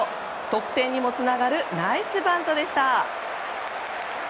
得点にもつながるナイスバントでした。